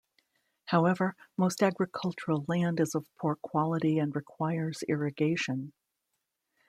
However, most agricultural land is of poor quality and requires irrigation.